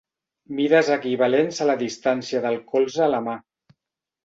Mides equivalents a la distància del colze a la mà.